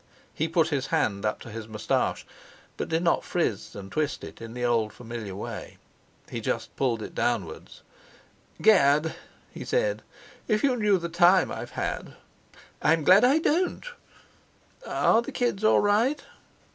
He put his hand up to his moustache; but did not frizz and twist it in the old familiar way, he just pulled it downwards. "Gad!" he said: "If you knew the time I've had!" "I'm glad I don't!" "Are the kids all right?"